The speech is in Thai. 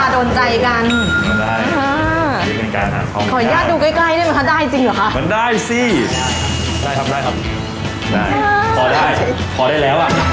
ได้ครับได้ครับได้พอได้พอได้แล้วอะอย่างนั้นอีกนะ